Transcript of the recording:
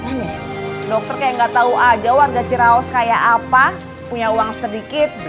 sedikit aja dokter kayak enggak tahu aja warga ciraos kayak apa punya uang sedikit